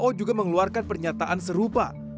jokowi juga mengeluarkan pernyataan serupa